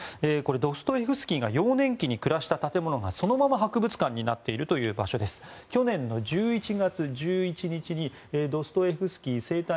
ドストエフスキーが幼年期に暮らした建物がそのまま博物館になっている場所で去年の１１月１１日にドストエフスキー生誕